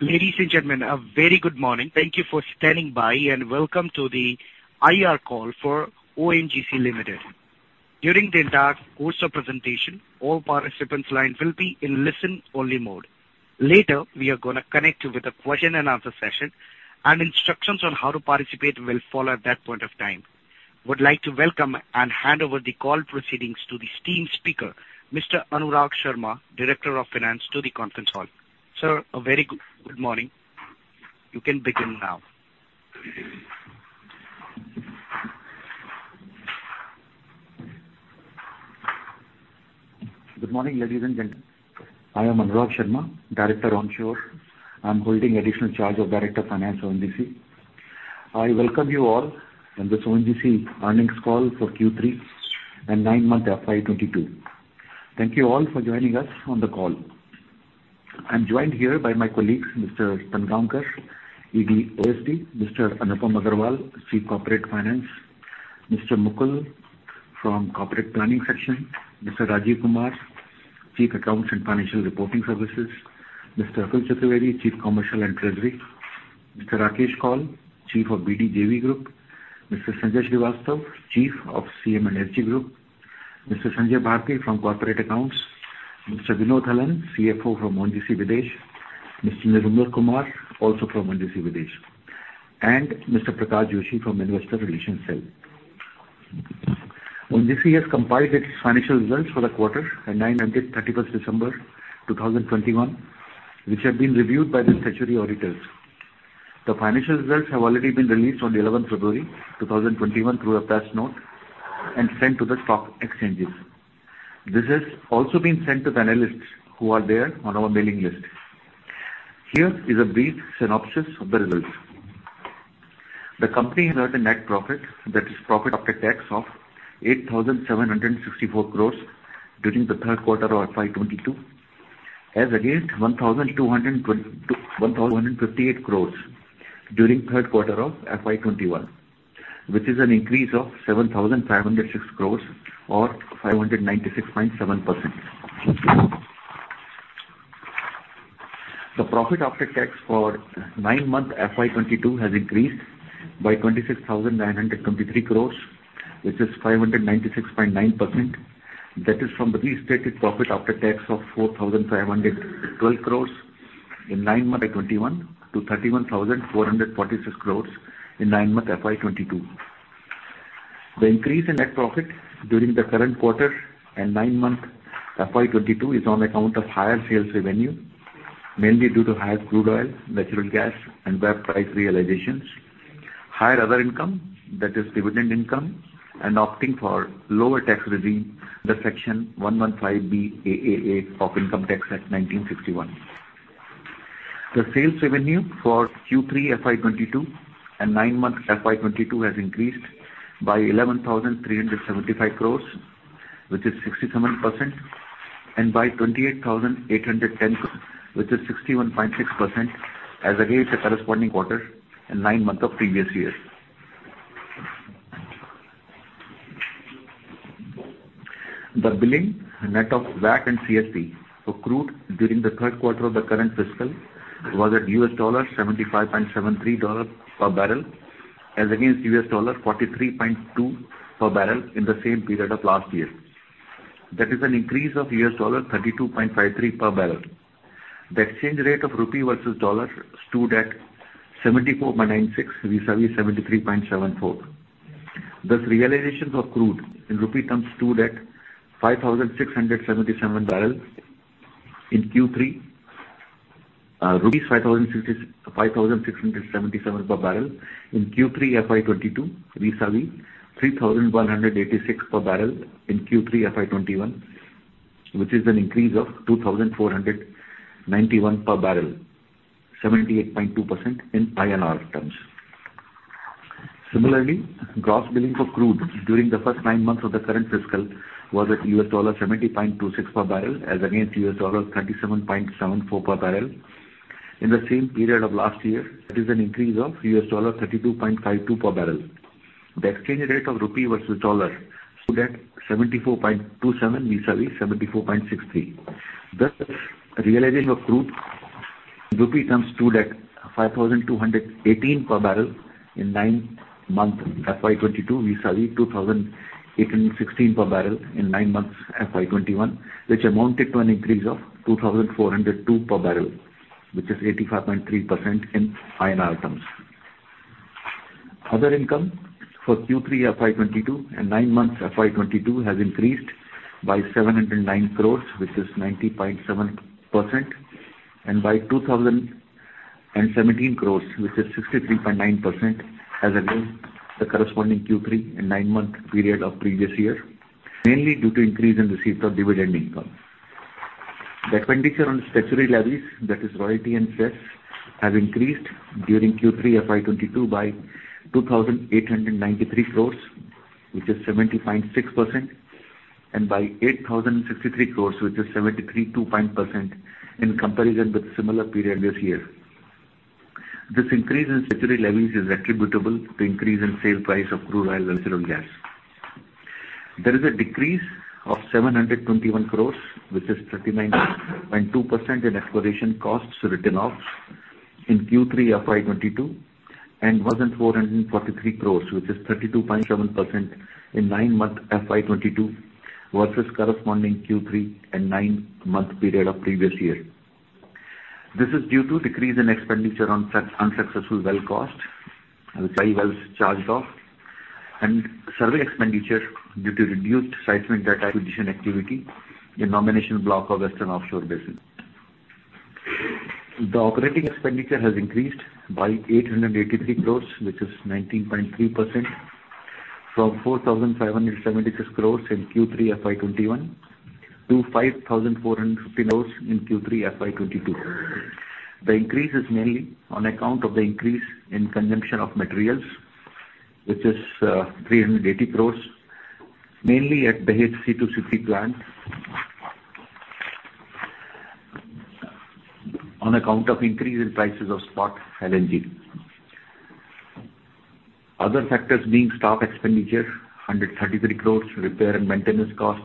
Ladies and gentlemen, a very good morning. Thank you for standing by, and welcome to the IR call for ONGC Limited. During the entire course of presentation, all participants' lines will be in listen-only mode. Later, we are going to connect you with a question and answer session, and instructions on how to participate will follow at that point of time. Would like to welcome and hand over the call proceedings to the esteemed speaker, Mr. Anurag Sharma, Director of Finance to the conference hall. Sir, a very good morning. You can begin now. Good morning, ladies and gentlemen. I am Anurag Sharma, Director Onshore. I'm holding additional charge of Director Finance, ONGC. I welcome you all in this ONGC earnings call for Q3 and 9-month FY 2022. Thank you all for joining us on the call. I'm joined here by my colleagues, Mr. Pankaj, ED/OSD, Mr. Anupam Agarwal, Chief Corporate Finance, Mr. Mukul from Corporate Planning section, Mr. Rajiv Kumar, Chief Accounts and Financial Reporting Services, Mr. Akil Chaturvedi, Chief Commercial and Treasury, Mr. Rakesh Kaul, Chief of BD JV Group, Mr. Sanjay Shrivastava, Chief of CMNG Group, Mr. Sanjay Bharti from Corporate Accounts, Mr. Vinod Hallan, CFO from ONGC Videsh, Mr. Niraj Kumar, also from ONGC Videsh, and Mr. Prakash Joshi from Investor Relations cell. ONGC has compiled its financial results for the quarter and nine months at 31 December 2021, which have been reviewed by the statutory auditors. The financial results have already been released on 11 February 2021 through a press note and sent to the stock exchanges. This has also been sent to the analysts who are there on our mailing list. Here is a brief synopsis of the results. The company has earned a net profit that is profit after tax of 8,764 crores during the Q3 of FY 2022, as against 1,258 crores during Q3 of FY 2021, which is an increase of 7,506 crores or 596.7%. The profit after tax for nine month FY 2022 has increased by 26,923 crores, which is 596.9%. That is from the restated profit after tax of 4,512 crore in nine months FY 2021 to INR 31,446 crore in nine months FY 2022. The increase in net profit during the current quarter and nine-month FY 2022 is on account of higher sales revenue, mainly due to higher crude oil, natural gas and LPG price realizations, higher other income, that is dividend income, and opting for lower tax regime under Section 115BAA of Income Tax Act, 1961. The sales revenue for Q3 FY 2022 and nine months FY 2022 has increased by 11,375 crore, which is 67%, and by 28,810 crore, which is 61.6% as against the corresponding quarter and nine months of previous year. The billing net of VAT and CST for crude during the Q3 of the current fiscal was at $75.73 per barrel as against $43.2 per barrel in the same period of last year. That is an increase of $32.53 per barrel. The exchange rate of rupee versus dollar stood at 74.96 vis-à-vis 73.74. Thus, realizations of crude in rupee terms stood at INR 5,677 per barrel in Q3. Rupees 5,677 per barrel in Q3 FY 2022 vis-à-vis 3,186 per barrel in Q3 FY 2021, which is an increase of 2,491 per barrel, 78.2% in INR terms. Similarly, gross billing for crude during the first nine months of the current fiscal was at $70.26 per barrel as against $37.74 per barrel in the same period of last year. That is an increase of $32.52 per barrel. The exchange rate of rupee versus dollar stood at 74.27 vis-à-vis 74.63. Thus, realization of crude in rupee terms stood at 5,218 per barrel in nine month FY 2022 vis-à-vis 2,816 per barrel in nine months FY 2021, which amounted to an increase of 2,402 per barrel, which is 85.3% in INR terms. Other income for Q3 FY 2022 and nine months FY 2022 has increased by 709 crores, which is 90.7%, and by 2,017 crores, which is 63.9% as against the corresponding Q3 and nine-month period of previous year, mainly due to increase in receipts of dividend income. The expenditure on statutory levies, that is royalty and cess, have increased during Q3 FY 2022 by 2,893 crores, which is 70.6%, and by 8,063 crores, which is 73.2% in comparison with similar period this year. This increase in statutory levies is attributable to increase in sale price of crude oil and natural gas. There is a decrease of 721 crores, which is 39.2% in exploration costs written off in Q3 FY 2022 and 1,443 crores, which is 32.7% in nine-month FY 2022 versus corresponding Q3 and nine-month period of previous year. This is due to decrease in expenditure on such unsuccessful well cost, dry wells charged off, and survey expenditure due to reduced seismic data acquisition activity in nomination block of Western Offshore Basin. The operating expenditure has increased by 883 crores, which is 19.3% from 4,576 crores in Q3 FY 2021 to 5,450 crores in Q3 FY 2022. The increase is mainly on account of the increase in consumption of materials, which is 380 crore, mainly at the HC260 plant, on account of increase in prices of spot LNG. Other factors being staff expenditure, 133 crore, repair and maintenance cost,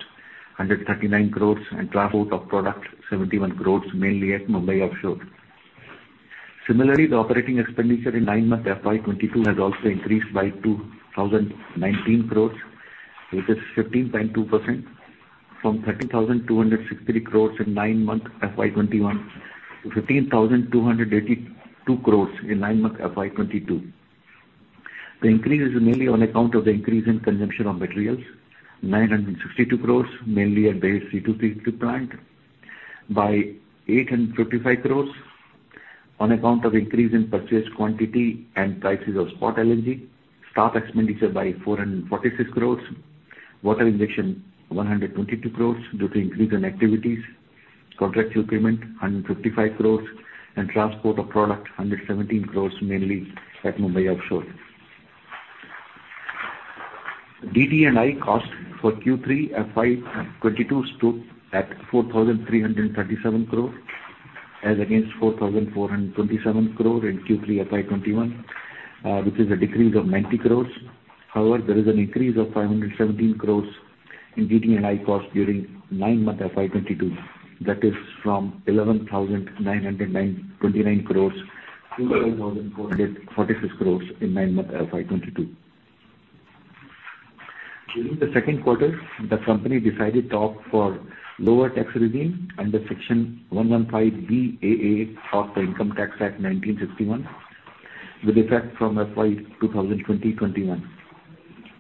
139 crore, and transport of product, 71 crore, mainly at Mumbai Offshore. Similarly, the operating expenditure in nine-month FY 2022 has also increased by 2,019 crore, which is 15.2% from 13,263 crore in nine-month FY 2021 to 15,282 crore in nine-month FY 2022. The increase is mainly on account of the increase in consumption of materials, 962 crore, mainly at the HC260 plant, by 855 crore on account of increase in purchase quantity and prices of spot LNG, staff expenditure by 446 crore, water injection 122 crore due to increase in activities, contractual payment 155 crore, and transport of product 117 crore, mainly at Mumbai offshore. DT&I cost for Q3 FY 2022 stood at 4,337 crore as against 4,427 crore in Q3 FY 2021, which is a decrease of 90 crore. However, there is an increase of 517 crore in DT&I cost during nine-month FY 2022. That is from 11,909. 29 crore to 12,446 crore in nine-month FY 2022. During the Q2, the company decided to opt for lower tax regime under Section 115BAA of the Income Tax Act, 1961, with effect from FY 2020-21.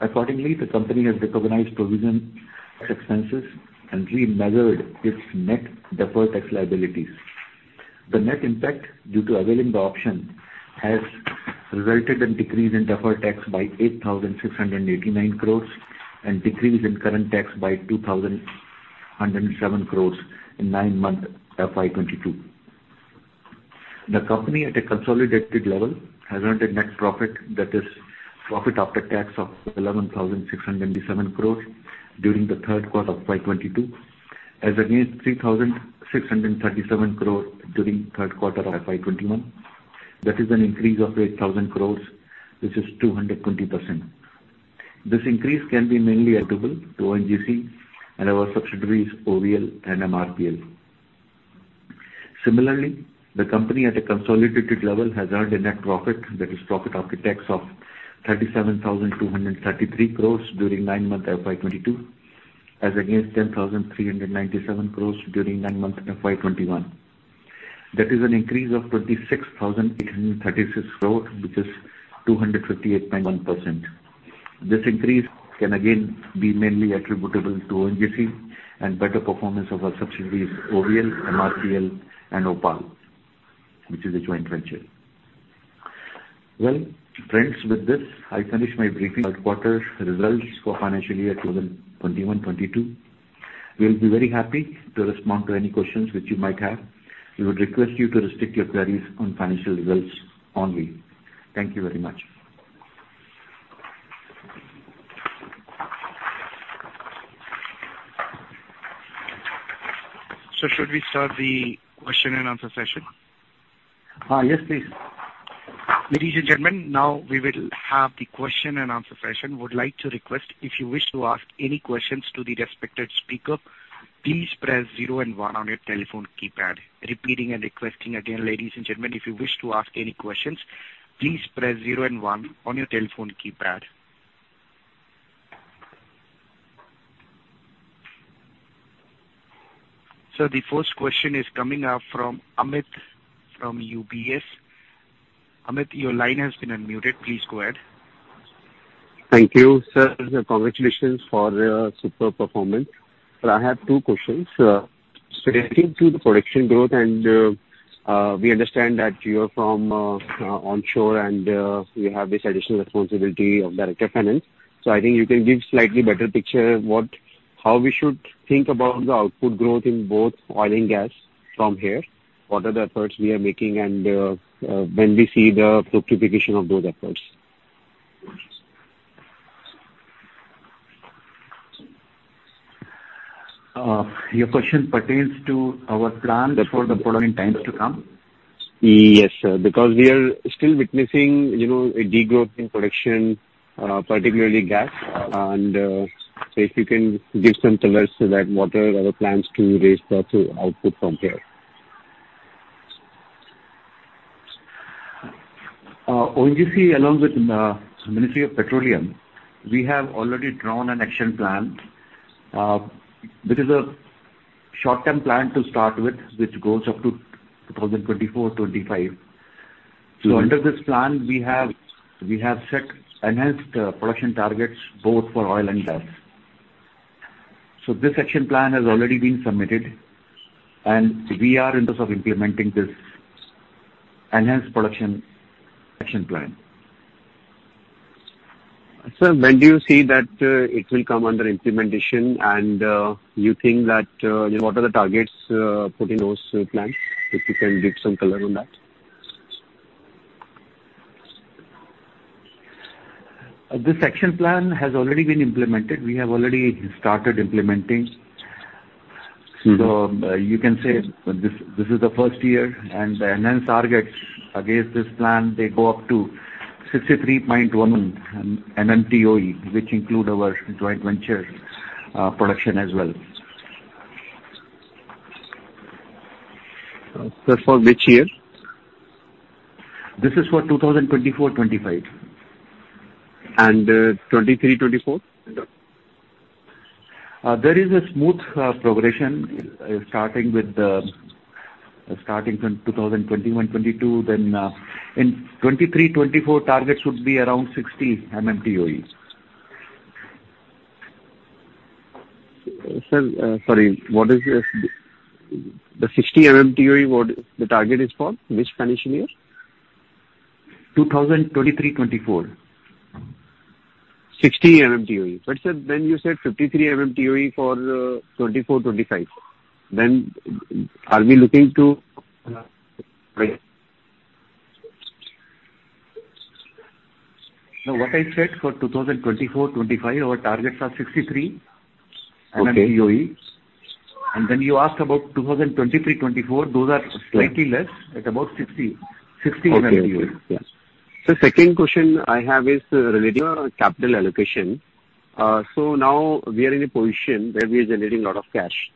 Accordingly, the company has recognized provision expenses and remeasured its net deferred tax liabilities. The net impact due to availing the option has resulted in decrease in deferred tax by 8,689 crore and decrease in current tax by 2,107 crore in nine-month FY 2022. The company at a consolidated level has earned a net profit, that is profit after tax, of 11,687 crore during the Q3 of FY 2022, as against 3,637 crore during Q3 of FY 2021. That is an increase of 8,000 crore, which is 220%. This increase can be mainly attributable to ONGC and our subsidiaries OVL and MRPL. Similarly, the company at a consolidated level has earned a net profit, that is profit after tax, of 37,233 crore during nine-month FY 2022 as against 10,397 crore during nine-month FY 2021. That is an increase of 26,836 crore, which is 258.1%. This increase can again be mainly attributable to ONGC and better performance of our subsidiaries OVL, MRPL and OPAL, which is a joint venture. Well, friends, with this I finish my briefing on quarter results for financial year 2021-22. We'll be very happy to respond to any questions which you might have. We would request you to restrict your queries on financial results only. Thank you very much. Should we start the question and answer session? Yes, please. Ladies and gentlemen, now we will have the question and answer session. I would like to request, if you wish to ask any questions to the respected speaker, please press zero and one on your telephone keypad. Repeating and requesting again, ladies and gentlemen, if you wish to ask any questions, please press zero and one on your telephone keypad. Sir, the first question is coming up from Amit, from UBS. Amit, your line has been unmuted. Please go ahead. Thank you, sir, and congratulations for your super performance. I have two questions. I think through the production growth and we understand that you're from onshore and you have this additional responsibility of Director Finance. I think you can give slightly better picture what, how we should think about the output growth in both oil and gas from here. What are the efforts we are making and when we see the fructification of those efforts? Your question pertains to our plan for the production in times to come? Yes, sir, because we are still witnessing, you know, a degrowth in production, particularly gas. So if you can give some colors so that what are our plans to raise the output from here. ONGC along with Ministry of Petroleum and Natural Gas, we have already drawn an action plan. This is a short-term plan to start with, which goes up to 2024-25. Mm-hmm. Under this plan, we have set enhanced production targets both for oil and gas. This action plan has already been submitted, and we are in the process of implementing this enhanced production action plan. Sir, when do you see that it will come under implementation and you think that you know what are the targets put in those plans? If you can give some color on that. This action plan has already been implemented. We have already started implementing. Mm-hmm. You can say this is the first year and the enhanced targets against this plan, they go up to 63.1 MMtoe, which include our joint venture production as well. That's for which year? This is for two thousand twenty-four, twenty-five. 2023, 2024? There is a smooth progression starting from 2021, 2022. Then in 2023, 2024, targets would be around 60 MMtoe. Sir, sorry. The 60 MMtoe, what the target is for? Which financial year? 2023-24. 60 MMtoe. Sir, then you said 53 MMtoe for 2024, 2025. Are we looking to? No. What I said for 2024-25, our targets are 63 MMtoe. Okay. You asked about 2023, 2024. Yeah. Those are slightly less at about 60 MMtoe. Okay. Yeah. Sir, second question I have is relating to our capital allocation. Now we are in a position where we are generating a lot of cash.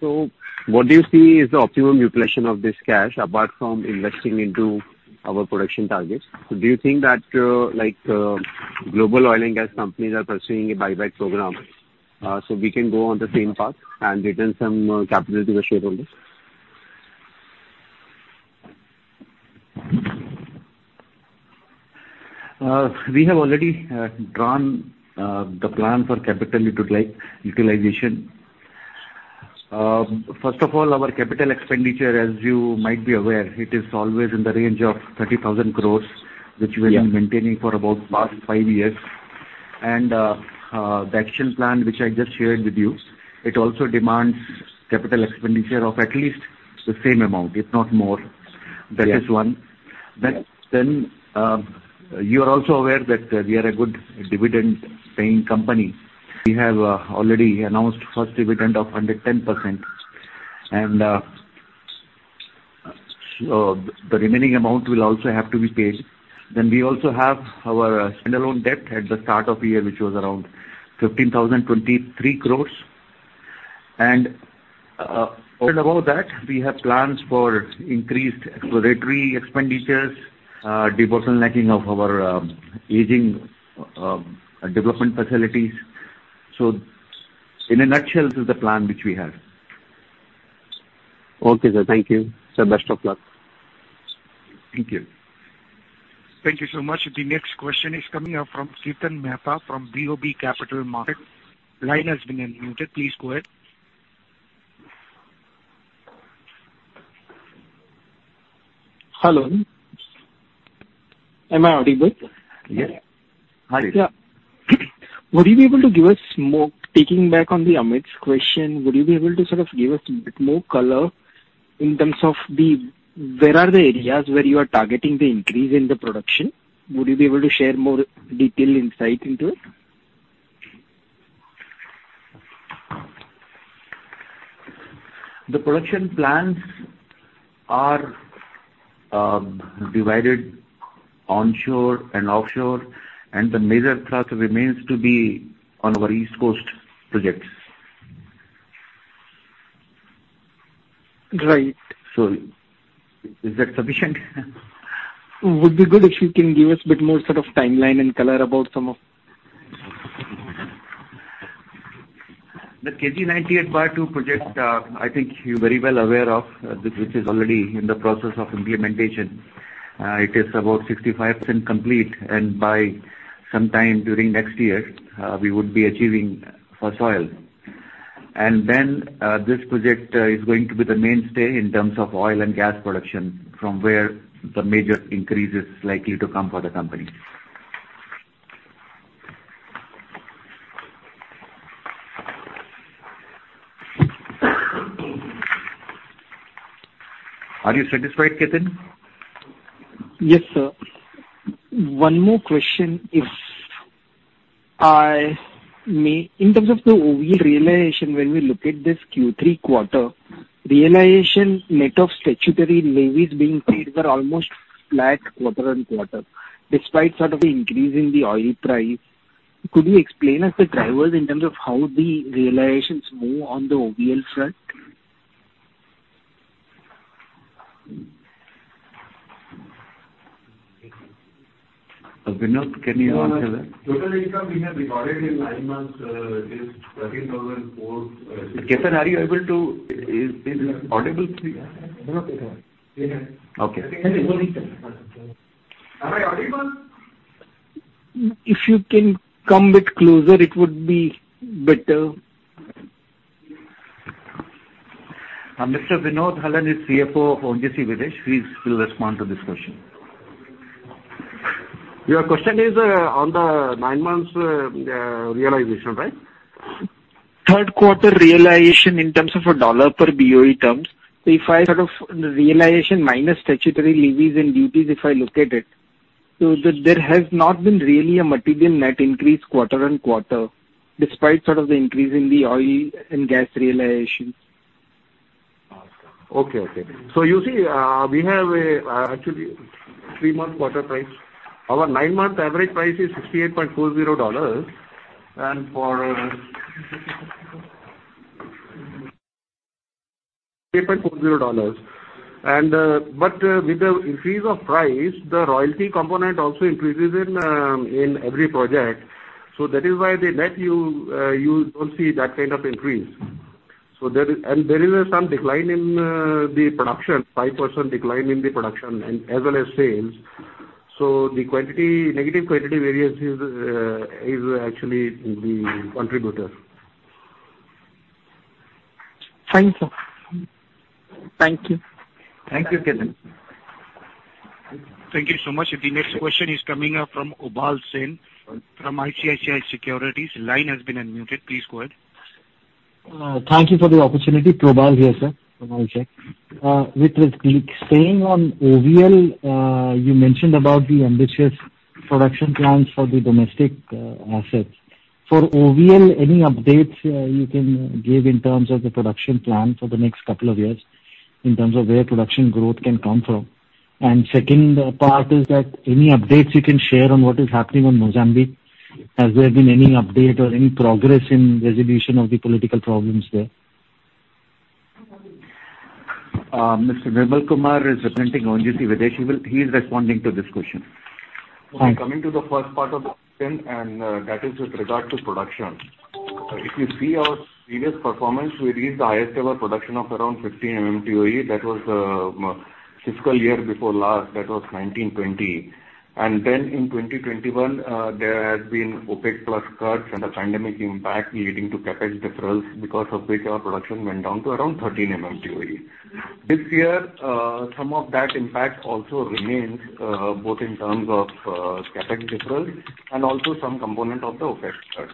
What do you see is the optimum utilization of this cash apart from investing into our production targets? Do you think that, like, global oil and gas companies are pursuing a buyback program, so we can go on the same path and return some capital to the shareholders? We have already drawn the plan for capital utilization. First of all, our capital expenditure, as you might be aware, it is always in the range of 30,000 crore. Yeah. which we have been maintaining for about past five years. The action plan, which I just shared with you, it also demands capital expenditure of at least the same amount, if not more. Yeah. That is one. You are also aware that we are a good dividend paying company. We have already announced first dividend of 110%, and the remaining amount will also have to be paid. We also have our standalone debt at the start of the year, which was around 15,023 crores. Over and above that, we have plans for increased exploratory expenditures, and revamping of our aging development facilities. In a nutshell, this is the plan which we have. Okay, sir. Thank you. Sir, best of luck. Thank you. Thank you so much. The next question is coming up from Chetan Mehta from BOB Capital Markets. Line has been unmuted. Please go ahead. Hello. Am I audible? Yes. Hi. Yeah. Circling back to Amit's question, would you be able to sort of give us a bit more color in terms of where are the areas where you are targeting the increase in the production? Would you be able to share more detailed insight into it? The production plans are divided onshore and offshore, and the major thrust remains to be on our East Coast projects. Right. Is that sufficient? Would be good if you can give us a bit more sort of timeline and color about some of. The KG-DWN-98/2 project, I think you're very well aware of, which is already in the process of implementation. It is about 65% complete. By sometime during next year, we would be achieving first oil. This project is going to be the mainstay in terms of oil and gas production from where the major increase is likely to come for the company. Thank you. Are you satisfied, Chetan? Yes, sir. One more question, if I may. In terms of the OVL realization, when we look at this Q3 quarter, realization net of statutory levies being paid were almost flat quarter-over-quarter, despite sort of increasing the oil price. Could you explain us the drivers in terms of how the realizations move on the OVL front? Vinod, can you answer that? TotalEnergies income we have recorded in nine months is INR 13 billion four- Chetan, is it audible to you? Vinod Okay. Am I audible? If you can come a bit closer, it would be better. Mr. Vinod Hallan is CFO of ONGC Videsh. He'll respond to this question. Your question is on the nine months realization, right? Q3 realization in terms of $ per BOE terms. If I sort of the realization minus statutory levies and duties, if I look at it, there has not been really a material net increase quarter-over-quarter, despite sort of the increase in the oil and gas realization. You see, we have a actually three-month quarter price. Our nine-month average price is $68.40. And $104.40. But with the increase of price, the royalty component also increases in every project. That is why the net, you don't see that kind of increase. There is some decline in the production, 5% decline in the production and as well as sales. The quantity, negative quantity variance is actually the contributor. Thank you, sir. Thank you. Thank you, Chetan. Thank you so much. The next question is coming up from Probal Sen from ICICI Securities. Line has been unmuted. Please go ahead. Thank you for the opportunity. Probal Sen here, sir, from ICICI. With respect, staying on OVL, you mentioned about the ambitious production plans for the domestic assets. For OVL, any updates you can give in terms of the production plan for the next couple of years, in terms of where production growth can come from? Second part is that any updates you can share on what is happening on Mozambique? Has there been any update or any progress in resolution of the political problems there? Mr. Vimal Kumar is representing ONGC Videsh. He is responding to this question. Thank you. Coming to the first part of the question, that is with regard to production. If you see our previous performance, we reached the highest ever production of around 15 MMtoe. That was fiscal year before last, 2019-2020. Then in 2021, there had been OPEC+ cuts and the pandemic impact leading to CapEx deferrals, because of which our production went down to around 13 MMtoe. This year, some of that impact also remains, both in terms of CapEx deferrals and also some component of the OPEC+ cuts.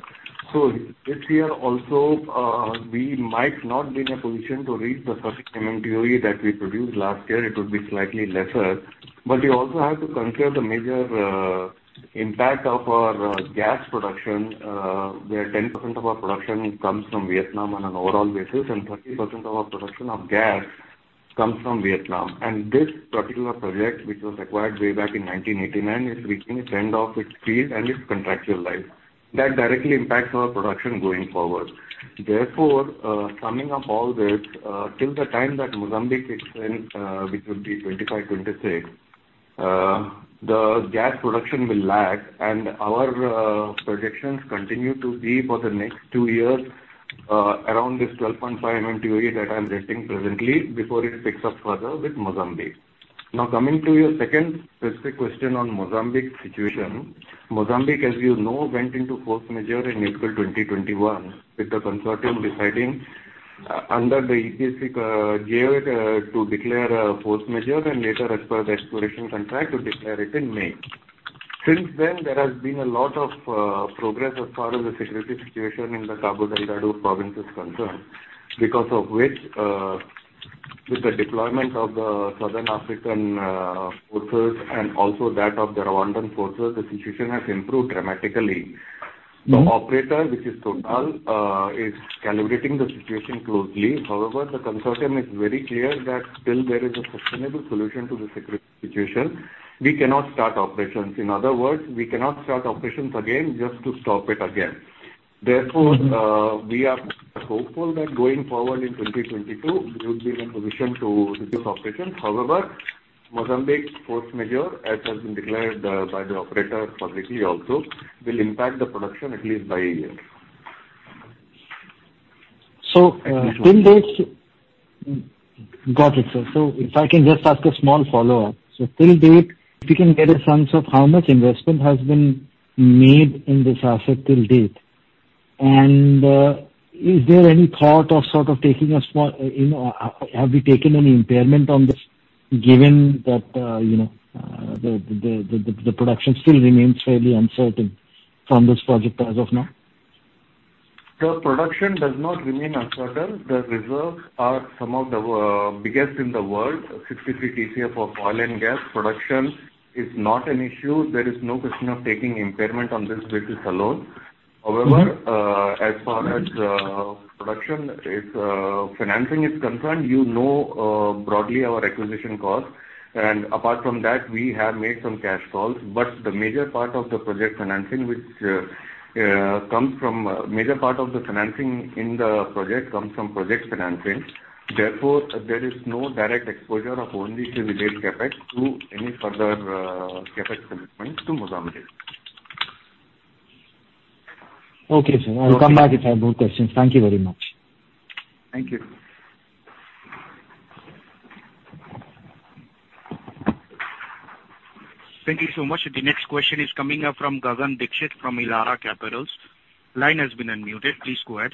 This year also, we might not be in a position to reach the 13 MMtoe that we produced last year. It would be slightly lesser. You also have to consider the major impact of our gas production, where 10% of our production comes from Vietnam on an overall basis, and 30% of our production of gas comes from Vietnam. This particular project, which was acquired way back in 1989, is reaching its end of its field and its contractual life. That directly impacts our production going forward. Therefore, summing up all this, till the time that Mozambique kicks in, which would be 2025, 2026, the gas production will lag. Our projections continue to be for the next two years around this 12.5 MMTOE that I'm stating presently before it picks up further with Mozambique. Now, coming to your second specific question on Mozambique situation. Mozambique, as you know, went into force majeure in April 2021, with the consortium deciding under the EPC GA to declare a force majeure and later as per the exploration contract to declare it in May. Since then, there has been a lot of progress as far as the security situation in the Cabo Delgado province is concerned. Because of which, with the deployment of the Southern African forces and also that of the Rwandan forces, the situation has improved dramatically. The operator, which is TotalEnergies, is calibrating the situation closely. However, the consortium is very clear that till there is a sustainable solution to the security situation, we cannot start operations. In other words, we cannot start operations again just to stop it again. Therefore Mm-hmm. We are hopeful that going forward in 2022, we will be in a position to resume operations. However, Mozambique force majeure, as has been declared by the operator publicly also, will impact the production at least by a year. Got it, sir. If I can just ask a small follow-up. Till date, if you can get a sense of how much investment has been made in this asset till date. Is there any thought of sort of taking a small, you know, have we taken any impairment on this, given that, you know, the production still remains fairly uncertain from this project as of now? The production does not remain uncertain. The reserves are some of the biggest in the world, 63 TCF of oil and gas. Production is not an issue. There is no question of taking impairment on this basis alone. However, as far as financing is concerned, you know, broadly our acquisition cost. Apart from that, we have made some cash calls. The major part of the financing in the project comes from project financing. Therefore, there is no direct exposure of ONGC Videsh CapEx to any further CapEx commitments to Mozambique. Okay, sir. Okay. I'll come back if I have more questions. Thank you very much. Thank you. Thank you so much. The next question is coming up from Gagan Dixit from Elara Capital. Line has been unmuted. Please go ahead.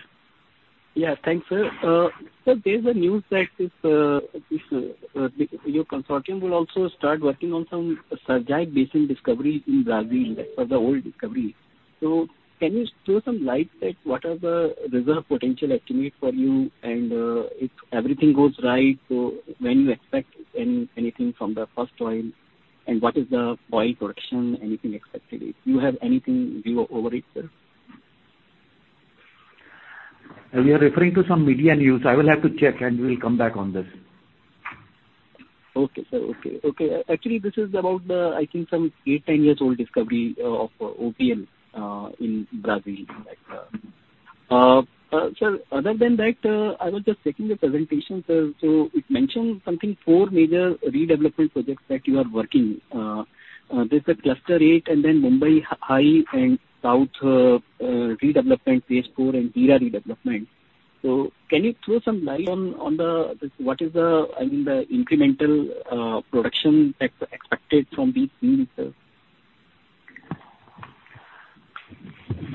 Yeah. Thanks, sir. There's news that this your consortium will also start working on some Sergipe Basin discovery in Brazil for the oil discovery. Can you throw some light at what are the reserve potential estimate for you and if everything goes right, when you expect anything from the first oil, and what is the oil production, anything expected? Do you have any view over it, sir? We are referring to some media news. I will have to check, and we'll come back on this. Okay, sir. Actually, this is about, I think, some 8-10 years old discovery of OVL in Brazil. Sir, other than that, I was just checking your presentation, sir. It mentioned something, 4 major redevelopment projects that you are working. There's a Cluster Eight and then Mumbai High South redevelopment Phase Four and Heera redevelopment. Can you throw some light on what is the, I mean, the incremental production that's expected from these fields, sir?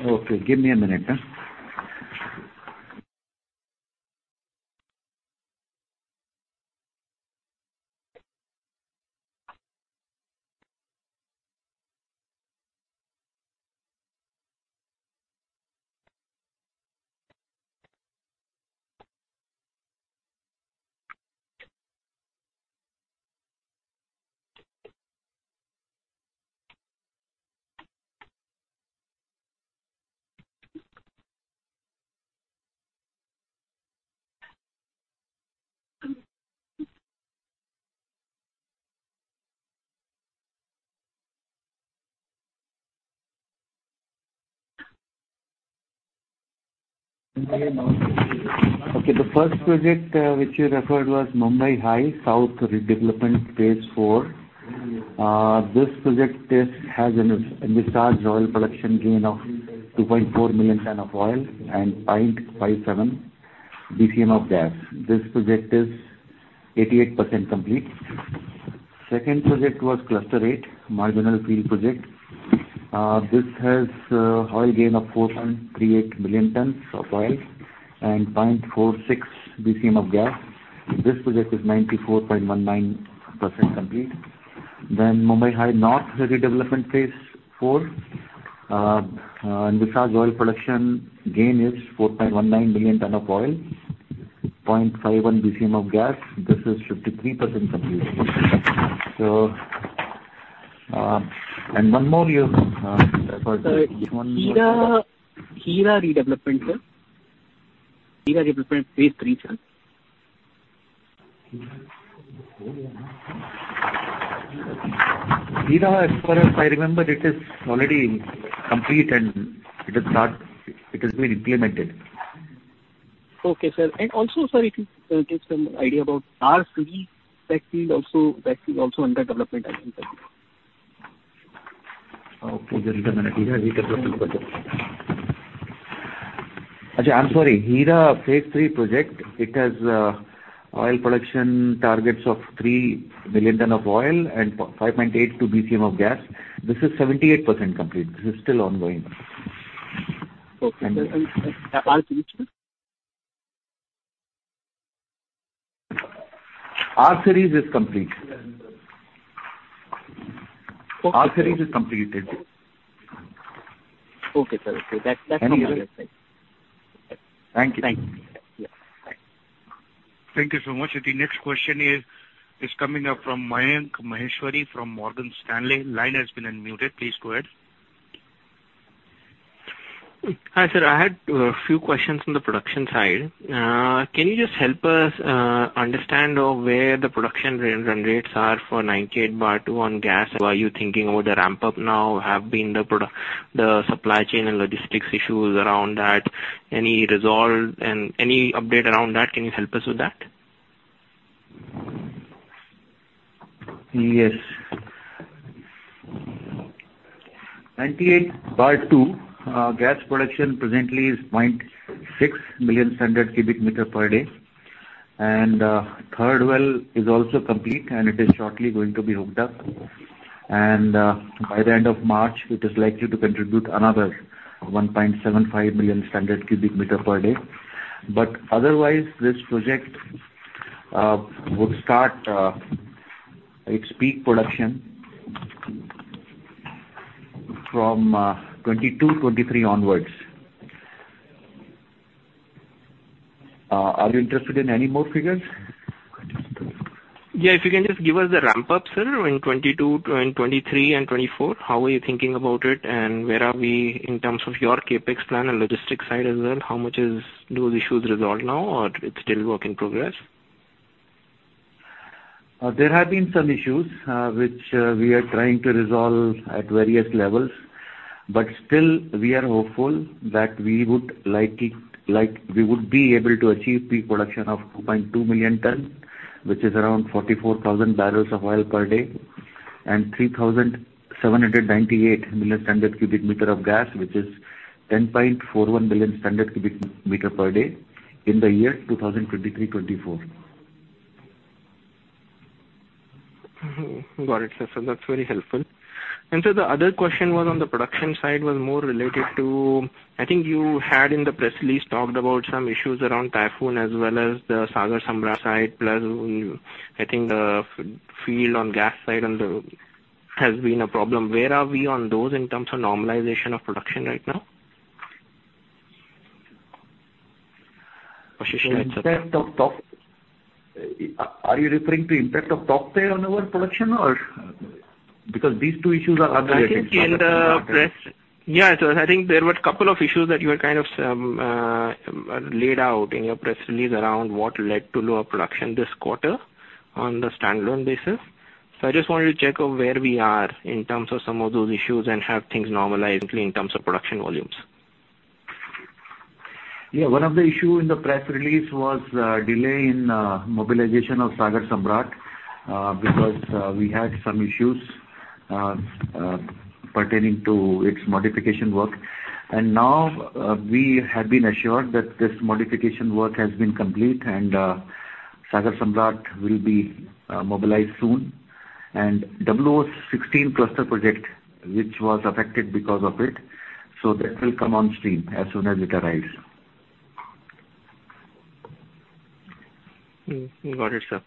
Okay. Give me a minute. Okay. The first project, which you referred was Mumbai High South Redevelopment Phase Four. This project is, has an envisaged oil production gain of 2.4 million tons of oil and 0.57 BCM of gas. This project is 88% complete. Second project was Cluster Eight Marginal Field Project. This has a oil gain of 4.38 million tons of oil and 0.46 BCM of gas. This project is 94.19% complete. Then Mumbai High North Redevelopment Phase Four. Envisaged oil production gain is 4.19 million tons of oil, 0.51 BCM of gas. This is 53% complete. And one more you referred to. This one- Sir, Heera Redevelopment, sir. Heera Redevelopment Phase Three, sir. Heera, as far as I remember, it is already complete, and it has been implemented. Okay, sir. Also, sir, if you can give some idea about R-Series, that field also under development, I think, sir. Okay. Just give me a minute. Actually, I'm sorry. Heera Phase Three project, it has oil production targets of three million tons of oil and 5.82 BCM of gas. This is 78% complete. This is still ongoing. Okay, sir. R-Series, sir? R-Series is complete. Okay, sir. R-Series is completed. Okay, sir. Okay. That's clear on that side. Thank you. Thank you. Yeah. Bye. Thank you so much. The next question is coming up from Mayank Maheshwari from Morgan Stanley. Line has been unmuted. Please go ahead. Hi, sir. I had a few questions on the production side. Can you just help us understand where the production run rates are for KG-DWN-98/2 on gas? Are you thinking about the ramp-up now? Have the supply chain and logistics issues around that been resolved? Any update around that? Can you help us with that? Yes. KG-DWN-98/2 gas production presently is 0.6 million standard cubic meters per day. Third well is also complete, and it is shortly going to be hooked up. By the end of March, it is likely to contribute another 1.75 million standard cubic meters per day. Otherwise, this project would start its peak production from 2022, 2023 onwards. Are you interested in any more figures? Yeah, if you can just give us the ramp up, sir, in 2022, in 2023 and 2024. How are you thinking about it, and where are we in terms of your CapEx plan and logistics side as well? How much is those issues resolved now or it's still work in progress? There have been some issues, which we are trying to resolve at various levels. Still, we are hopeful that we would likely be able to achieve peak production of 2.2 million tons, which is around 44,000 barrels of oil per day, and 3,798 million standard cubic meters of gas, which is 10.41 billion standard cubic meters per day in the year 2023-24. Got it, sir. That's very helpful. The other question was on the production side, was more related to, I think you had in the press release talked about some issues around Tauktae as well as the Sagar Samrat site, plus, I think the field on gas side and they have been a problem. Where are we on those in terms of normalization of production right now? Are you referring to impact of Tauktae on our production or? Because these two issues are unrelated. I think there were a couple of issues that you kind of laid out in your press release around what led to lower production this quarter on the standalone basis. I just wanted to check on where we are in terms of some of those issues and have things normalized in terms of production volumes. Yeah. One of the issue in the press release was delay in mobilization of Sagar Samrat because we had some issues pertaining to its modification work. Now we have been assured that this modification work has been complete and Sagar Samrat will be mobilized soon. WO-16 cluster project, which was affected because of it, so that will come on stream as soon as it arrives. Got it, sir.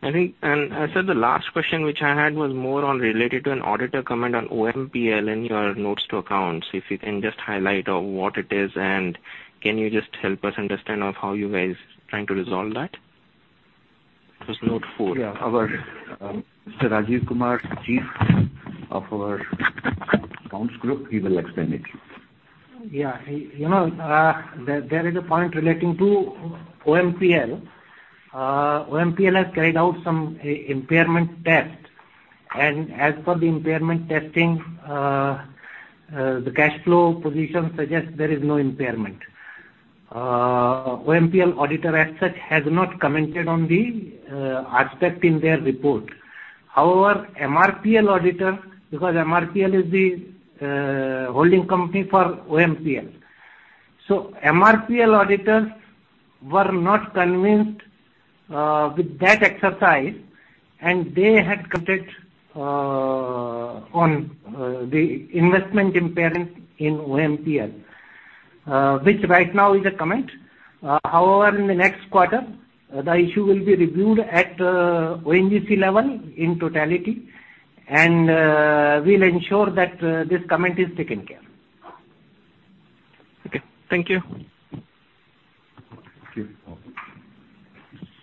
I think, sir, the last question which I had was more on related to an auditor comment on OMPL in your notes to accounts. If you can just highlight on what it is, and can you just help us understand of how you guys trying to resolve that? It was note 4. Yeah. Our Mr. Rajiv Kumar, Chief of our accounts group, he will explain it. Yeah. You know, there is a point relating to OMPL. OMPL has carried out some impairment test, and as per the impairment testing, the cash flow position suggests there is no impairment. OMPL auditor as such has not commented on the aspect in their report. However, MRPL auditor, because MRPL is the holding company for OMPL, MRPL auditors were not convinced with that exercise, and they had commented on the investment impairment in OMPL, which right now is a comment. However, in the next quarter, the issue will be reviewed at ONGC level in totality, and we'll ensure that this comment is taken care. Okay. Thank you. Thank you.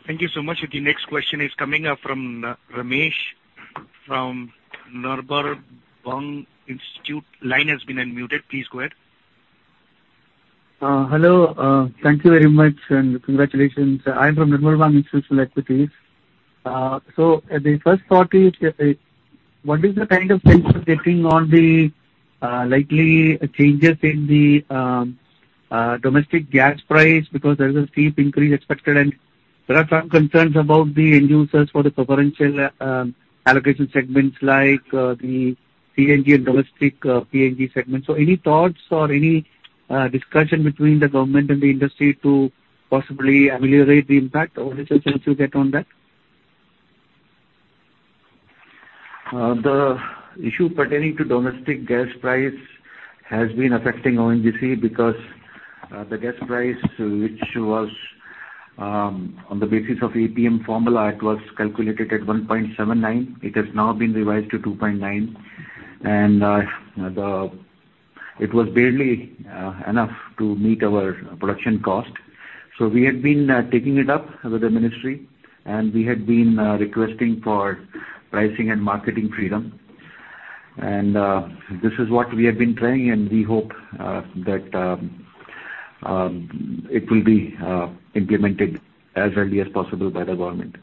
Thank you so much. The next question is coming from Ramesh from Nirmal Bang. Line has been unmuted. Please go ahead. Hello. Thank you very much and congratulations. I'm from Nirmal Bang Institutional Equities. The first thought is, what is the kind of sense you're getting on the likely changes in the domestic gas price? Because there is a steep increase expected, and there are some concerns about the end users for the preferential allocation segments like the CNG and domestic PNG segment. Any thoughts or any discussion between the government and the industry to possibly ameliorate the impact? What is your sense you get on that? The issue pertaining to domestic gas price has been affecting ONGC because the gas price which was on the basis of APM formula, it was calculated at 1.79. It has now been revised to 2.9. It was barely enough to meet our production cost. We had been taking it up with the ministry, and we had been requesting for pricing and marketing freedom. This is what we have been trying, and we hope that it will be implemented as early as possible by the government.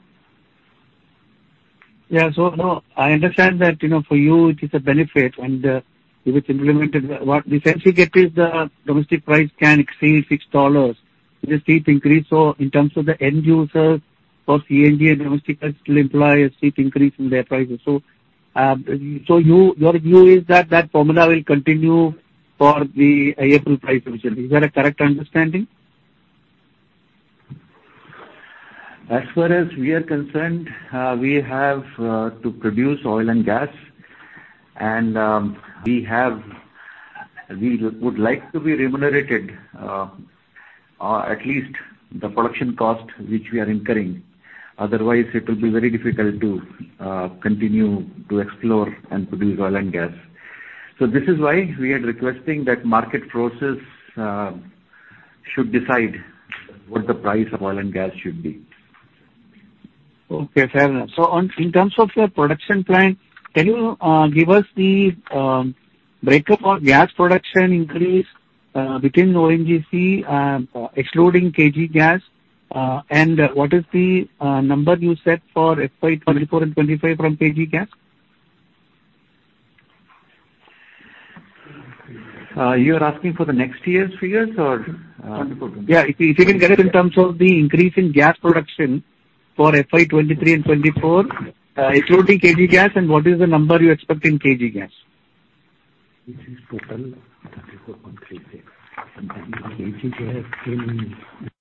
Yeah. No, I understand that, you know, for you it is a benefit and, if it's implemented, what the sense we get is the domestic price can exceed $6. It's a steep increase, so in terms of the end user for CNG and domestic, that still implies a steep increase in their prices. Your view is that that formula will continue for the April price revision. Is that a correct understanding? As far as we are concerned, we have to produce oil and gas and we would like to be remunerated at least the production cost which we are incurring. Otherwise, it will be very difficult to continue to explore and produce oil and gas. This is why we are requesting that market forces should decide what the price of oil and gas should be. Okay, fair enough. On in terms of your production plan, can you give us the breakup of gas production increase between ONGC excluding KG gas? What is the number you set for FY 2024 and 2025 from KG gas? You are asking for the next year's figures or Yeah. If you can give us in terms of the increase in gas production for FY 2023 and 2024, excluding KG gas, and what is the number you expect in KG gas? This is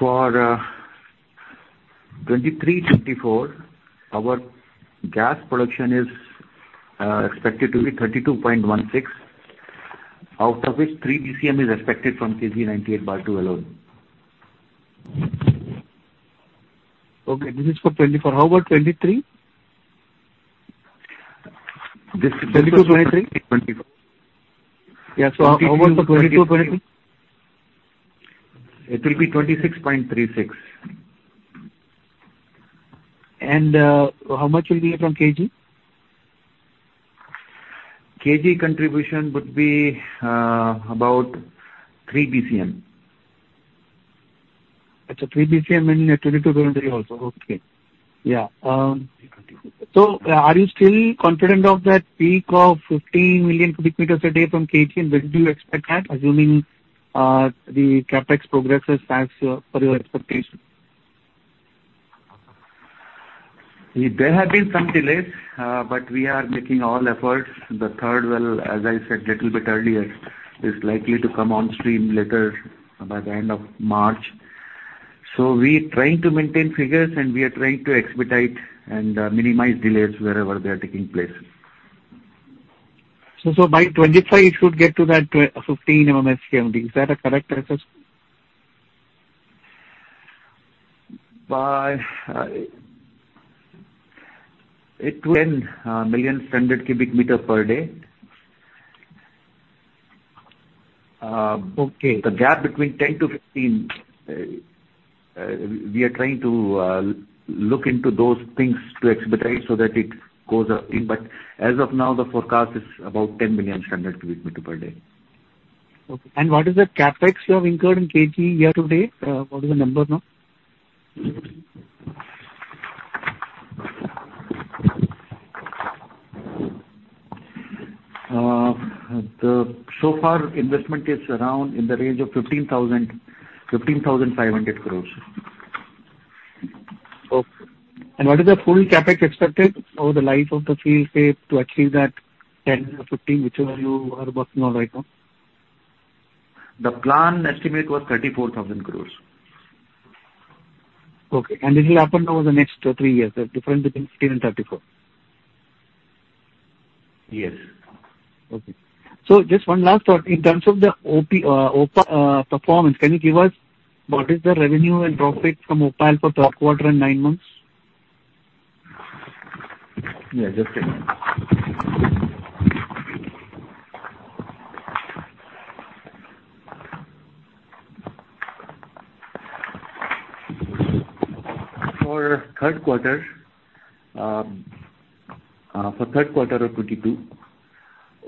total 34.36. KG gas only. For 2023-2024, our gas production is expected to be 32.16, out of which 3 BCM is expected from KG 98/2 alone. Okay. This is for 2024. How about 2023? This- 2022, 2023. Twenty-four. Yeah. How about for 2022, 2023? It will be 26.36. How much will be from KG? KG contribution would be about 3 BCM. It's 3 BCM in 2022, 2023 also. Okay. Yeah. Are you still confident of that peak of 15 million cubic meters a day from KG? And when do you expect that, assuming the CapEx progresses as per your expectation? There have been some delays, but we are making all efforts. The third well, as I said little bit earlier, is likely to come on stream later by the end of March. We trying to maintain figures, and we are trying to expedite and minimize delays wherever they are taking place. By 2025 you should get to that 15 MMSCMD. Is that a correct assessment? By 10 million standard cubic meter per day. Okay. The gap between 10-15, we are trying to look into those things to expedite so that it goes uptime. As of now, the forecast is about 10 million standard cubic meters per day. Okay. What is the CapEx you have incurred in KG year to date? What is the number now? So far investment is around in the range of 15,000 crore-15,500 crore. Okay. What is the full CapEx expected over the life of the field, say, to achieve that 10 or 15, whichever you are working on right now? The plan estimate was 34,000 crore. Okay. This will happen over the next three years, the difference between 15 and 34? Yes. Okay. Just one last thought. In terms of the OPaL performance, can you give us what is the revenue and profit from OPaL for Q3 and nine months? Yeah, just a minute. For Q3 of 2022,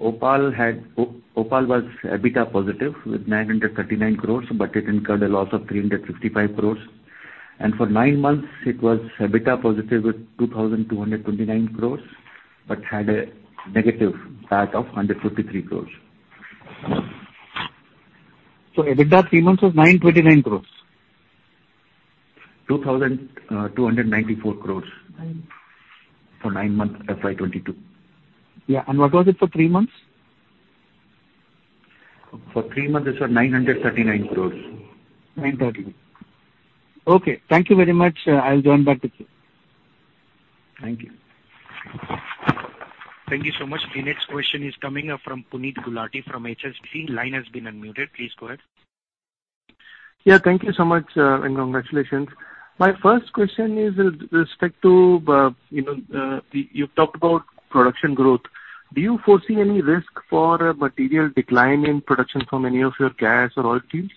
OPaL was EBITDA positive with 939 crore, but it incurred a loss of 355 crore. For nine months it was EBITDA positive with 2,229 crore, but had a negative PAT of 153 crore. EBITDA three months was 929 crores. 2,294 crores for nine months FY 2022. Yeah. What was it for three months? For three months it was 939 crores. 9:39 A.M. Okay. Thank you very much. I'll join back with you. Thank you. Thank you so much. The next question is coming from Puneet Gulati from HSBC. Line has been unmuted. Please go ahead. Yeah, thank you so much, and congratulations. My first question is with respect to, you know, you've talked about production growth. Do you foresee any risk for a material decline in production from any of your gas or oil fields?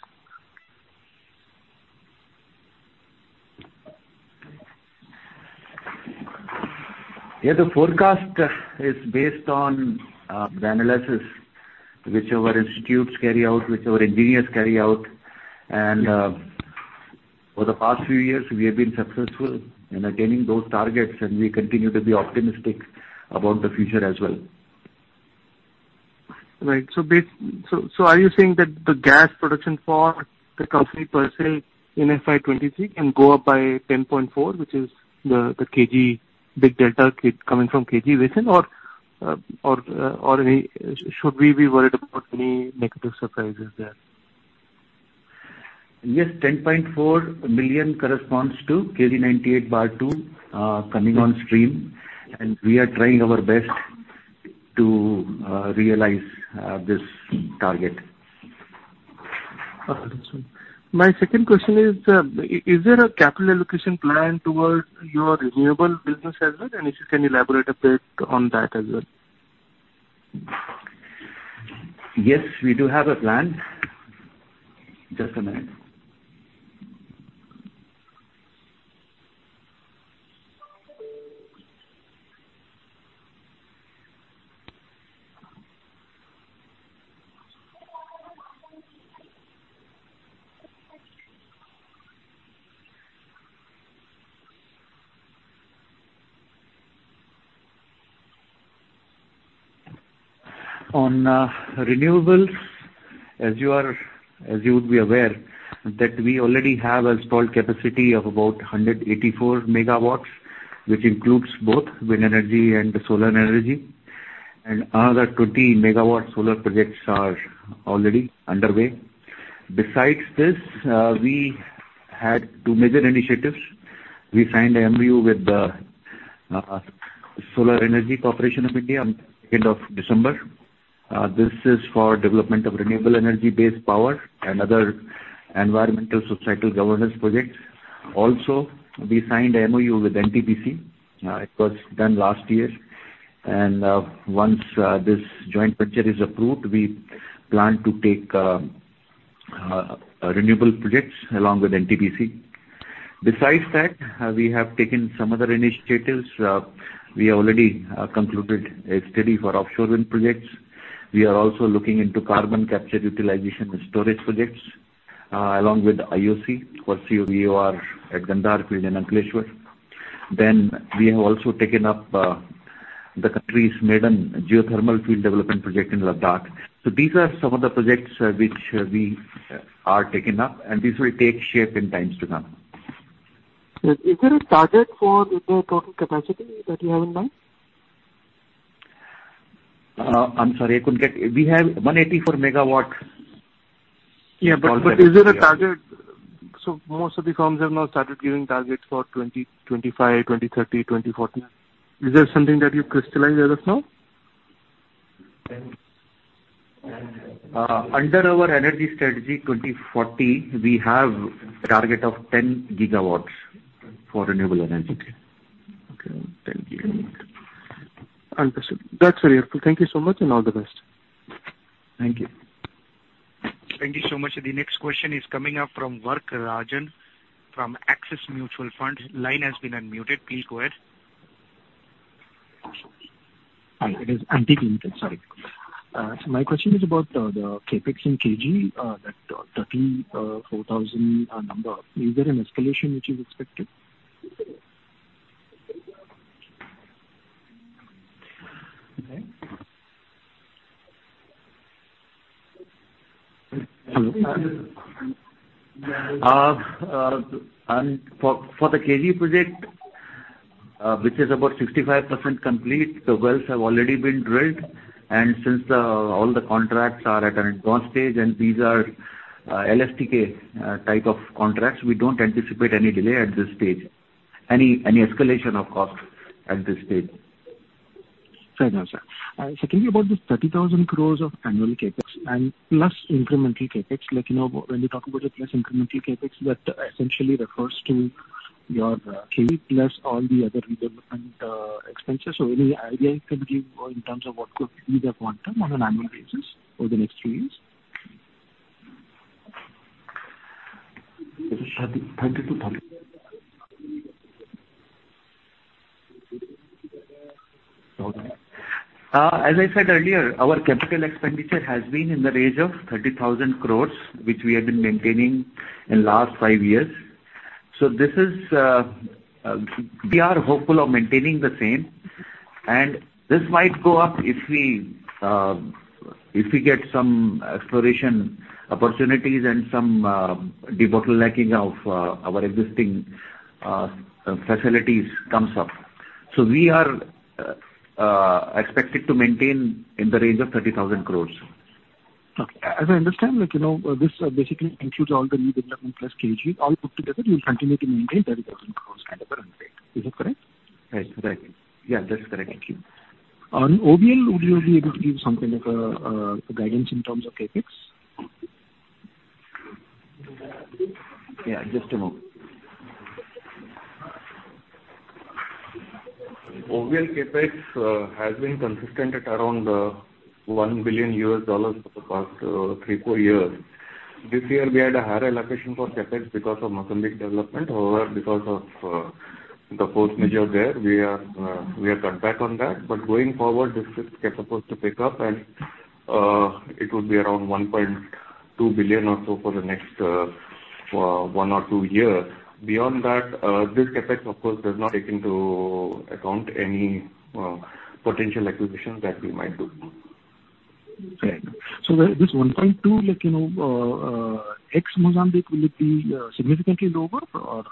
Yeah. The forecast is based on the analysis which our institutes carry out, which our engineers carry out. For the past few years, we have been successful in attaining those targets, and we continue to be optimistic about the future as well. Right. Are you saying that the gas production for the company per se in FY 2023 can go up by 10.4, which is the big delta coming from KG Basin or any? Should we be worried about any negative surprises there? Yes, 10.4 million corresponds to KG-DWN-98/2 coming on stream, and we are trying our best to realize this target. Understood. My second question is there a capital allocation plan towards your renewable business as well? If you can elaborate a bit on that as well. Yes, we do have a plan. Just a minute. On renewables, as you would be aware, that we already have installed capacity of about 184 MW, which includes both wind energy and solar energy. Another 20 MW solar projects are already underway. Besides this, we had two major initiatives. We signed a MOU with the Solar Energy Corporation of India on second of December. This is for development of renewable energy-based power and other environmental societal governance projects. Also, we signed MOU with NTPC. It was done last year. Once this joint venture is approved, we plan to take renewable projects along with NTPC. Besides that, we have taken some other initiatives. We already concluded a study for offshore wind projects. We are also looking into carbon capture utilization and storage projects, along with IOC for CO2EOR at Gandhar field in Ankleshwar. We have also taken up the country's maiden geothermal field development project in Ladakh. These are some of the projects which we are taking up, and this will take shape in times to come. Is there a target for the total capacity that you have in mind? We have 184 MW. Is there a target? Most of the firms have now started giving targets for 2025, 2030, 2040. Is there something that you crystallized as of now? Under our Energy Strategy 2040, we have a target of 10 GW for renewable energy. Okay. Thank you. Understood. That's very helpful. Thank you so much, and all the best. Thank you. Thank you so much. The next question is coming up from Varun Rajan from Axis Mutual Fund. Line has been unmuted. Please go ahead. Hi, it is Ankit Gupta. Sorry. My question is about the CapEx in KG, that 34,000 number. Is there an escalation which is expected? For the KG project, which is about 65% complete, the wells have already been drilled. Since all the contracts are at an advanced stage and these are LSTK type of contracts, we don't anticipate any delay at this stage. Any escalation of cost at this stage. Fair enough, sir. Can you talk about this 30,000 crore of annual CapEx and plus incremental CapEx. Like, you know, when you talk about the plus incremental CapEx, that essentially refers to your KG plus all the other redevelopment expenses. Any idea you could give in terms of what could be the quantum on an annual basis over the next three years? This is 30 to 30. As I said earlier, our capital expenditure has been in the range of 30,000 crore, which we have been maintaining in last five years. We are hopeful of maintaining the same. This might go up if we get some exploration opportunities and some debottlenecking of our existing facilities comes up. We are expected to maintain in the range of 30,000 crore. Okay. As I understand, like, you know, this basically includes all the redevelopment plus KG. All put together, you will continue to maintain INR 30,000 crore kind of a run rate. Is it correct? Right. Yeah, that is correct. Thank you. On OVL, would you be able to give something like a guidance in terms of CapEx? Yeah, just a moment. OVL CapEx has been consistent at around $1 billion for the past 3-4 years. This year we had a higher allocation for CapEx because of Mozambique development. However, because of the force majeure there, we are cut back on that. Going forward, this is supposed to pick up and it would be around $1.2 billion or so for the next 1-2 years. Beyond that, this CapEx, of course, does not take into account any potential acquisitions that we might do. Right. This 1.2, like, you know, ex Mozambique, will it be significantly lower or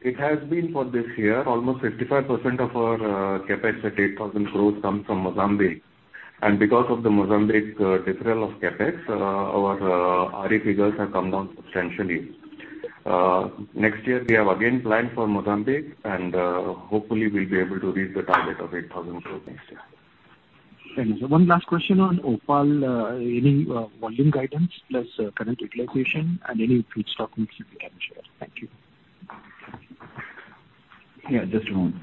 It has been for this year, almost 55% of our CapEx at 8,000 crore comes from Mozambique. Because of the Mozambique deferral of CapEx, our figures have come down substantially. Next year we have again planned for Mozambique, and hopefully we'll be able to reach the target of 8,000 crore next year. Thanks. One last question on Opal. Any volume guidance plus current utilization and any feedstock mix, if you can share. Thank you. Just a moment.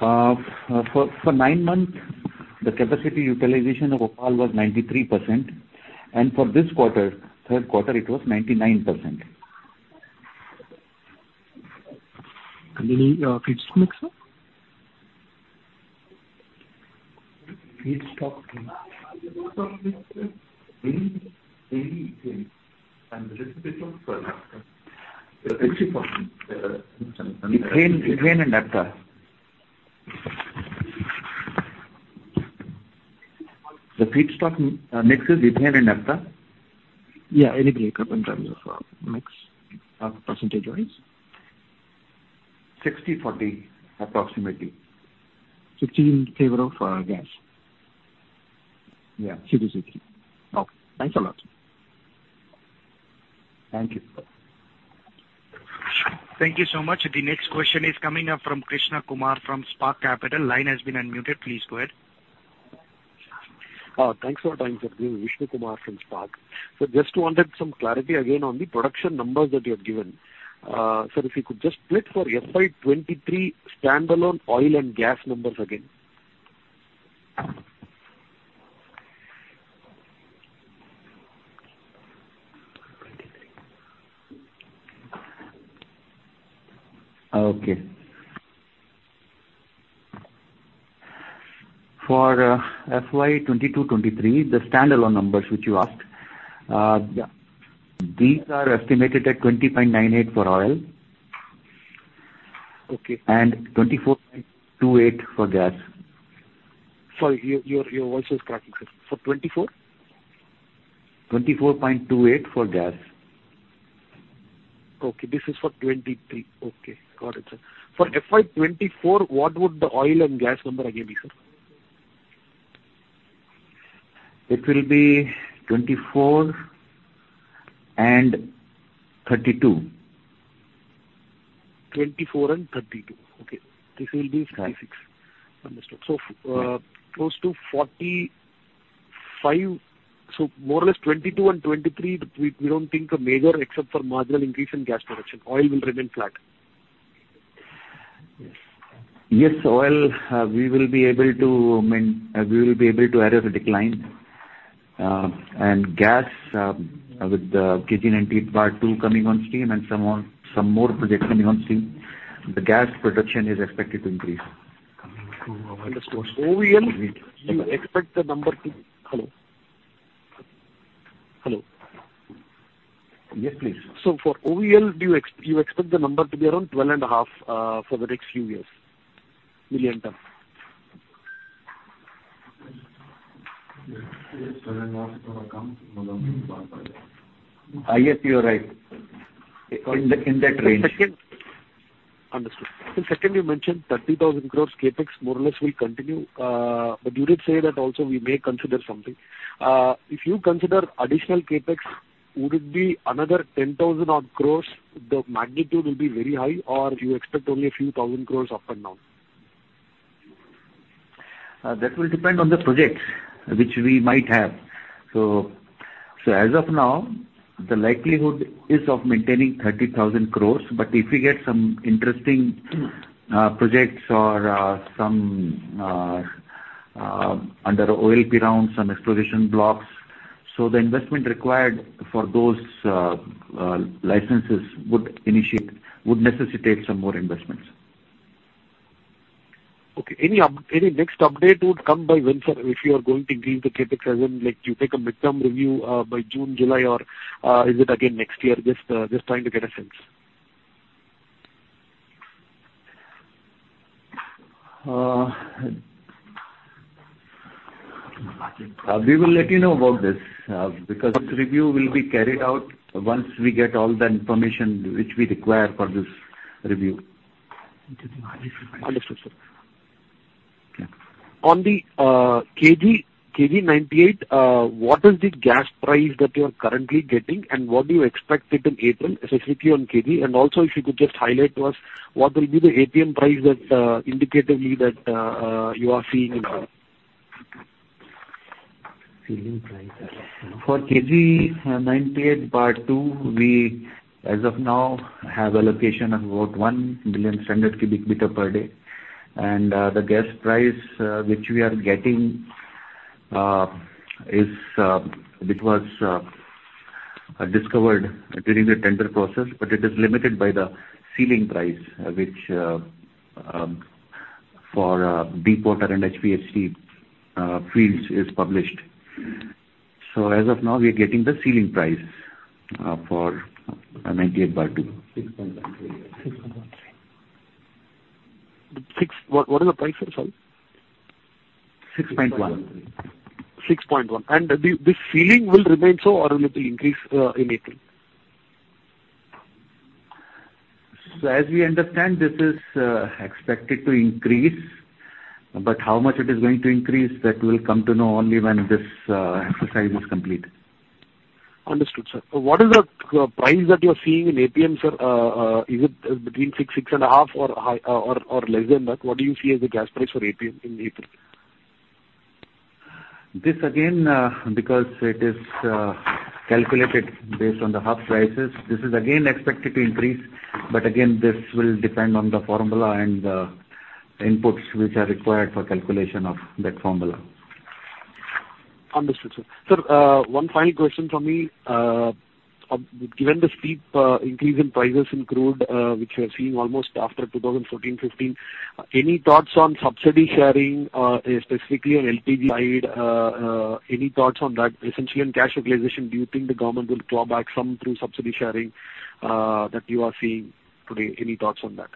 For nine months, the capacity utilization of OPaL was 93%. For this quarter, Q3, it was 99%. Any feedstock mix, sir? Feedstock mix. Ethane and naphtha. The feedstock mix is Ethane and Naphtha. Yeah, any breakup in terms of mix, percentage-wise? 60/40, approximately. 60 in favor of gas. Yeah. Should be 60. Okay, thanks a lot. Thank you. Thank you so much. The next question is coming up from Krishna Kumar from Spark Capital. Line has been unmuted. Please go ahead. Thanks for the time, sir. This is Krishna Kumar from Spark. Just wanted some clarity again on the production numbers that you have given. Sir, if you could just split for FY 2023 standalone oil and gas numbers again. For FY 2022/2023, the standalone numbers which you asked, these are estimated at $20.98 for oil. Okay. $24.28 for gas. Sorry, your voice is cracking, sir. 24? $24.28 for gas. Okay, this is for 2023. Okay, got it, sir. For FY 2024, what would the oil and gas number again be, sir? It will be 24 and 32. 2024 and 2032. Okay. This will be 2036. Understood. Close to 2045. More or less 2022 and 2023, we don't think a major except for marginal increase in gas production. Oil will remain flat. Yes. Oil, we will be able to arrest the decline. Gas, with the KG-DWN-98/2 coming on stream and some more projects coming on stream, the gas production is expected to increase. Understood. OVL, you expect the number to. Hello? Hello? Yes, please. For OVL, do you expect the number to be around 12.5 million ton for the next few years? Yes, you are right. In that range. Understood. Secondly, you mentioned 30,000 crores CapEx more or less will continue. You did say that also we may consider something. If you consider additional CapEx, would it be another 10,000 odd crores, the magnitude will be very high, or you expect only a few thousand crores up and down? That will depend on the projects which we might have. As of now, the likelihood is of maintaining 30,000 crore. If we get some interesting projects or some under OALP round, some exploration blocks, the investment required for those licenses would necessitate some more investments. Okay. Any next update would come by when, sir? If you are going to give the CapEx as in, like, you take a midterm review, by June, July, or, is it again next year? Just trying to get a sense. We will let you know about this, because this review will be carried out once we get all the information which we require for this review. Understood, sir. Yeah. On the KG 98, what is the gas price that you are currently getting, and what do you expect it in April, specifically on KG? Also if you could just highlight to us what will be the APM price that indicatively that you are seeing in April? For KG-DWN-98/2, we as of now have allocation of about 1 million standard cubic meter per day. The gas price which we are getting is are discovered during the tender process, but it is limited by the ceiling price, which for Deepwater and HPHT fields is published. As of now, we are getting the ceiling price for 98/2. 6.13. What is the price, sir? Sorry. 6.1. 6.1. This ceiling will remain so or will it increase in April? As we understand, this is expected to increase, but how much it is going to increase, that we'll come to know only when this exercise is complete. Understood, sir. What is the price that you're seeing in APM, sir? Is it between $6-$6.5 or less than that? What do you see as the gas price for APM in April? This again, because it is calculated based on the hub prices, this is again expected to increase, but again, this will depend on the formula and inputs which are required for calculation of that formula. Understood, sir. Sir, one final question from me. Given the steep increase in prices in crude, which we are seeing almost after 2014, 2015, any thoughts on subsidy sharing, specifically on LPG side, any thoughts on that? Essentially on cash realization, do you think the government will claw back some through subsidy sharing that you are seeing today? Any thoughts on that?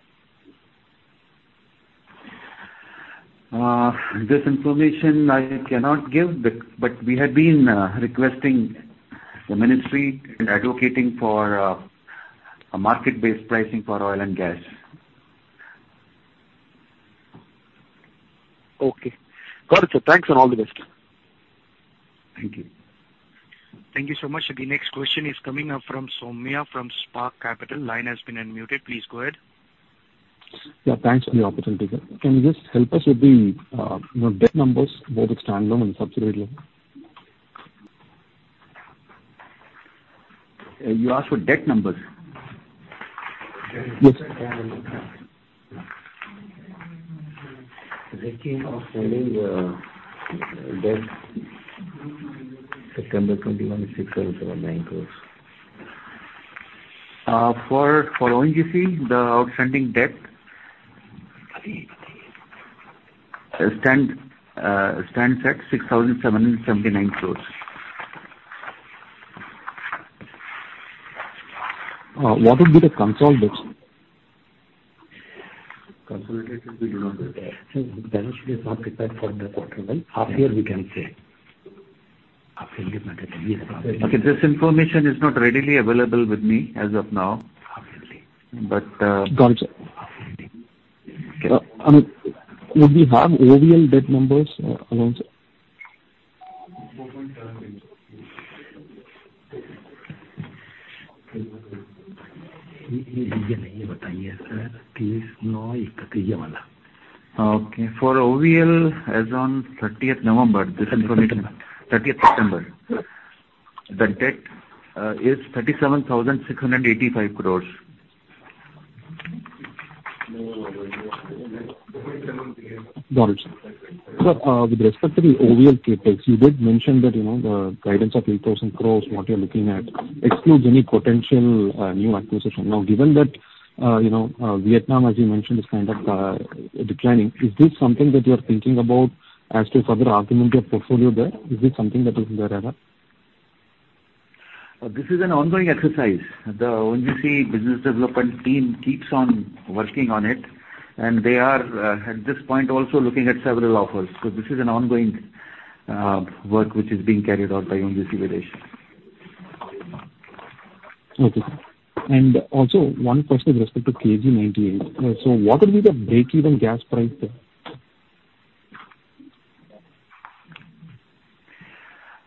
This information I cannot give, but we have been requesting the ministry and advocating for a market-based pricing for oil and gas. Okay. Got it, sir. Thanks and all the best. Thank you. Thank you so much. The next question is coming up from Somya from Spark Capital. Line has been unmuted. Please go ahead. Yeah, thanks for the opportunity, sir. Can you just help us with the debt numbers, both standalone and subsidiary level? You asked for debt numbers? Yes. The total outstanding debt as of September 21, 2021, 6,709 crores. For ONGC, the outstanding debt stands at INR 6,779 crores. What would be the consolidated? Consolidated will be. Balance sheet is not prepared for the quarter, right? Half year we can say. Half yearly. Okay. This information is not readily available with me as of now. Obviously. But, uh- Got it, sir. I mean, would we have OVL debt numbers along, sir? For OVL, as on 30th September, the debt is INR 37,685 crores. Got it, sir. Sir, with respect to the OVL CapEx, you did mention that, you know, the guidance of 8,000 crore, what you're looking at excludes any potential, new acquisition. Now, given that, you know, Vietnam, as you mentioned, is kind of declining, is this something that you are thinking about as to further augment your portfolio there? Is this something that is in the radar? This is an ongoing exercise. The ONGC business development team keeps on working on it, and they are, at this point, also looking at several offers. This is an ongoing work which is being carried out by ONGC Videsh. Okay. Also one question with respect to KG 98. What would be the breakeven gas price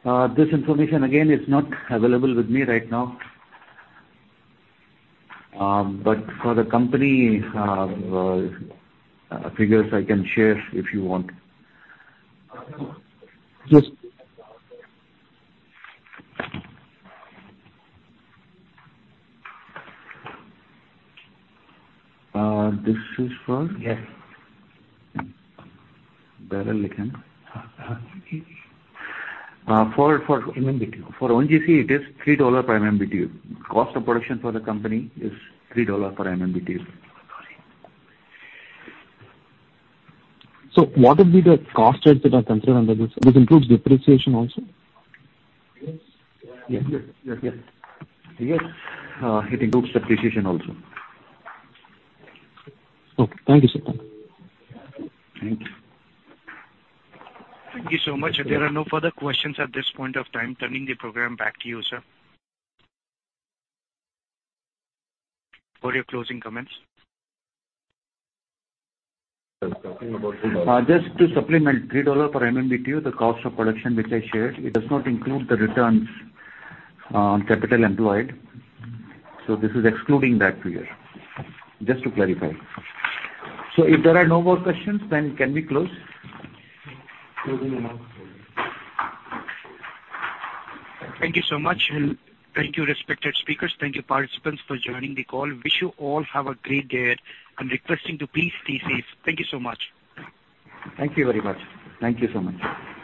there? This information again is not available with me right now. For the company, figures I can share if you want. Yes. This is for? Yes. For- MMBtu. For ONGC, it is $3 per MMBtu. Cost of production for the company is $3 per MMBtu. What would be the cost heads that are considered under this? This includes depreciation also? Yes, it includes depreciation also. Okay. Thank you, sir. Thank you. Thank you so much. There are no further questions at this point of time. Turning the program back to you, sir for your closing comments. Just to supplement, $3 per MMBtu, the cost of production which I shared, it does not include the returns on capital employed. This is excluding that figure. Just to clarify. If there are no more questions, then can we close? Thank you so much. Thank you respected speakers. Thank you participants for joining the call. Wish you all have a great day ahead. I'm requesting to please stay safe. Thank you so much. Thank you very much. Thank you so much.